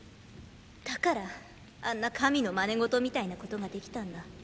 だからあんな神のマネゴトみたいなことができたんだ。